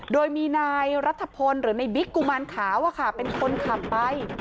โดยมีนายรัฐพลหรือในบิ๊กกุมารขาวเป็นคนขับไป